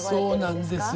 そうなんです。